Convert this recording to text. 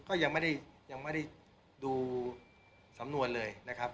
ก็ยังไม่ได้ดูสำนวนเลยนะครับ